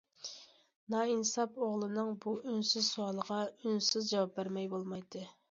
نائىنساب ئوغلىنىڭ بۇ ئۈنسىز سوئالىغا ئۈنسىز جاۋاب بەرمەي بولمايتتى.